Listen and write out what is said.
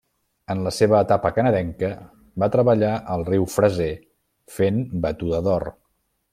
En la seva etapa canadenca, va treballar al riu Fraser fent batuda d'or.